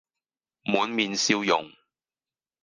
滿面笑容，